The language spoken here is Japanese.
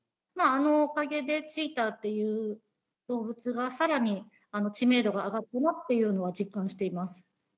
あのおかげでチーターっていう動物が、さらに知名度が上がったなっていうのは実感しています。